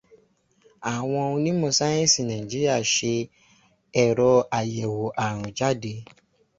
Àwọn onímọ̀ sáyẹ́ǹsì Nàíjíríà ṣe ẹ̀rọ àyẹ̀wò ààrùn jáde.